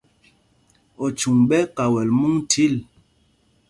Ochuŋ ɓɛ́ ɛ́ kawɛl múŋ chǐl.